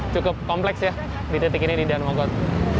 cukup kompleks ya di detik ini di danmokot